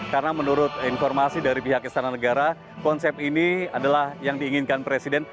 karena menurut informasi dari pihak istana negara konsep ini adalah yang diinginkan presiden